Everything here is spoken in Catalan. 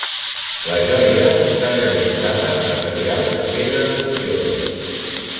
La joia està realitzada en materials i pedres precioses.